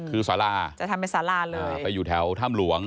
คือสาราจะทำเป็นสาราเลยไปอยู่แถวถ้ำหลวง